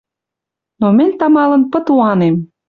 Но мӹнь тамалын пыт уанем